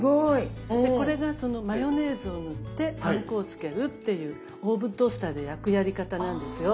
これがそのマヨネーズを塗ってパン粉をつけるっていうオーブントースターで焼くやり方なんですよ。